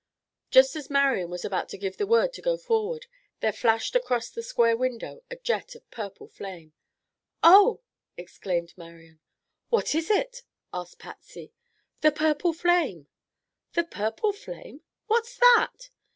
Just as Marian was about to give the word to go forward, there flashed across the square window a jet of purple flame. "Oh!" exclaimed Marian. "What is it?" asked Patsy. "The purple flame!" "The purple flame? What's that?"